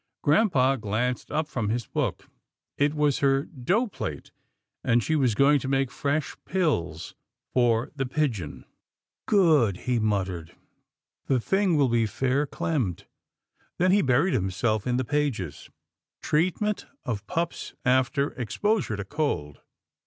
Grampa glanced up from his book. It was her A TEDIOUS WAITING 193 dough plate, and she was going to make fresh pills for the pigeon. " Good," he muttered, " the thing will be fair clemmed," then he buried himself in the pages, " Treatment of Pups After Exposure to Cold."